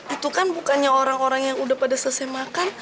itu kan bukannya orang orang yang udah pada selesai makan